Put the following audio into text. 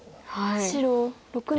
白６の十三。